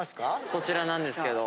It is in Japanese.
こちらなんですけど。